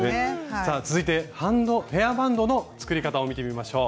さあ続いてヘアバンドの作り方を見てみましょう。